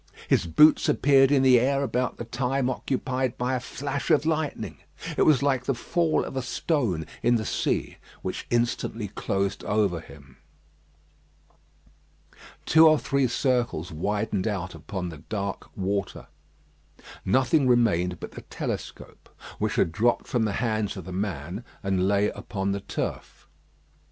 His boots appeared in the air about the time occupied by a flash of lightning. It was like the fall of a stone in the sea, which instantly closed over him. Two or three circles widened out upon the dark water. Nothing remained but the telescope, which had dropped from the hands of the man, and lay upon the turf.